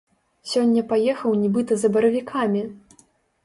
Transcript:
Сёння паехаў нібыта за баравікамі!